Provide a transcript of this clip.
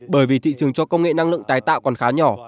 bởi vì thị trường cho công nghệ năng lượng tái tạo còn khá nhỏ